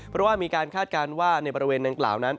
เพราะว่ามีการคาดการณ์ว่าในบริเวณดังกล่าวนั้น